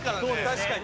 確かに。